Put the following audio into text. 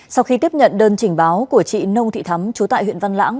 sau khi tiếp nhận đơn trình báo của chị nông thị thắm chú tại huyện văn lãng